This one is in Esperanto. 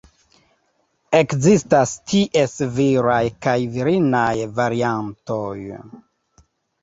Ekzistas ties viraj kaj virinaj variantoj.